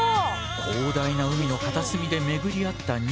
広大な海の片隅で巡り合った２匹。